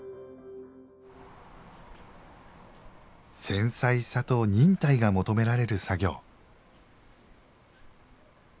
繊細さと忍耐が求められる作業。